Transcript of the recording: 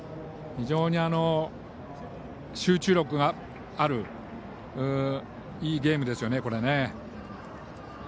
非常に集中力があるいいゲームですよね。